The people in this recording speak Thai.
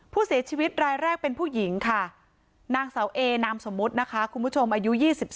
ผู้เสียชีวิตรายแรกเป็นผู้หญิงค่ะนางเสาเอนามสมมุตินะคะคุณผู้ชมอายุ๒๓